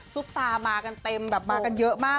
ตามากันเต็มแบบมากันเยอะมาก